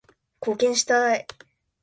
貢献したい